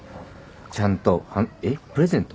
ちゃんとえっプレゼント！？